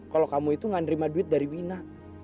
kalau kamu itu gak nerima duit dari wina